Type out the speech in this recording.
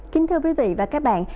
kính thưa quý vị và các bạn